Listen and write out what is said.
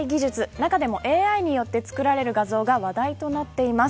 中でもＡＩによって作られる画像が話題となっています。